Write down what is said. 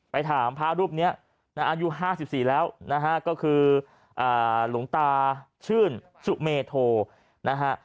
ไปถามพระรูปเนี้ยอายุห้าสิบสี่แล้วนะฮะก็คืออ่าหลวงตาชื่นสุเมโธนะฮะ